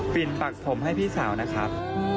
ปักผมให้พี่สาวนะครับ